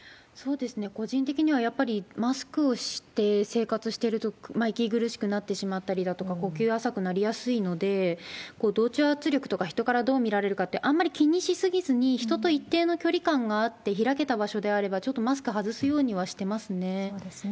個人的にはやっぱり、マスクをして生活してると、息苦しくなってしまったりだとか、呼吸が浅くなりやすいので、同調圧力とか人からどう見られるかって、あんまり気にし過ぎずに、人と一定の距離感があって開けた場所であれば、ちょっとマスク外そうですね。